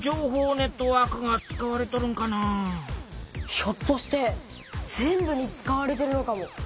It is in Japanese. ひょっとして全部に使われてるのかも。